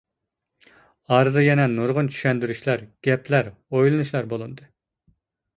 ئارىدا يەنە نۇرغۇن چۈشەندۈرۈشلەر، گەپلەر، ئويلىنىشلار بولۇندى.